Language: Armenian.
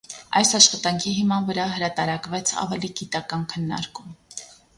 Այս աշխատանքի հիման վրա հրատարակվեց ավելի գիտական քննարկում։